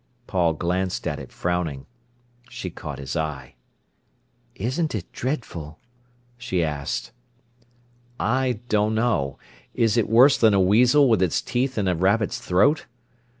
Paul glanced at it frowning. She caught his eye. "Isn't it dreadful?" she asked. "I don't know! Is it worse than a weasel with its teeth in a rabbit's throat?